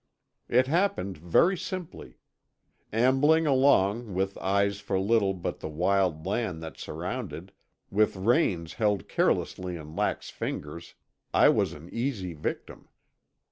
It happened very simply. Ambling along with eyes for little but the wild land that surrounded, with reins held carelessly in lax fingers, I was an easy victim.